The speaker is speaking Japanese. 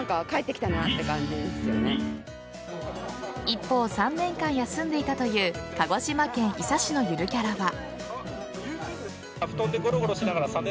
一方、３年間休んでいたという鹿児島県伊佐市のゆるキャラは。